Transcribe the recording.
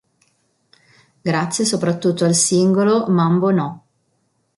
Grazie soprattutto al singolo "Mambo No.